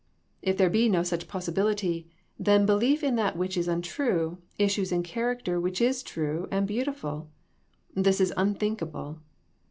If there be no such possibility, then belief in that which is untrue issues in character which is true and beautiful. This is unthinkable.